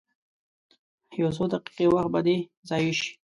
یو څو دقیقې وخت به دې ضایع شي.